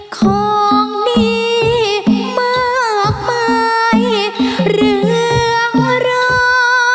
ของดีมากมายเรืองรอ